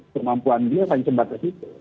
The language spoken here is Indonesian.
kemampuan dia akan dikebatas itu